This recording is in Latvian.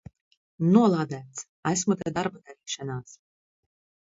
Nolādēts! Esmu te darba darīšanās!